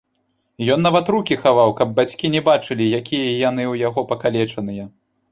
Ён нават рукі хаваў, каб бацькі не бачылі, якія яны ў яго пакалечаныя.